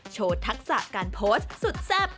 ทักษะการโพสต์สุดแซ่บ